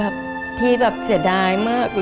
พี่แบบเสียดายมากเลยอะ